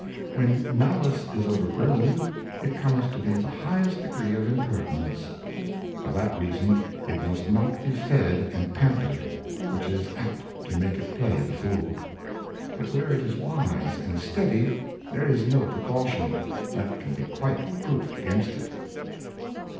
When Malice is overgrown, it cometh to be the highest degree of Impertinence. For that reason, it must not be fed and pampered, which is apt to make it play the fool. But where it is wise and steady, there is no Precaution, that can be quite Proof against it.